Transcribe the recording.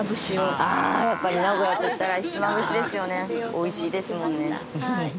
おいしいですもんね。